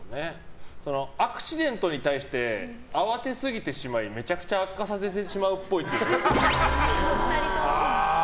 アクシデントに対して慌てすぎてしまいめちゃくちゃ悪化させてしまうっぽい。